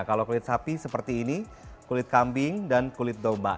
kalau kulit sapi seperti ini kulit kambing dan kulit domba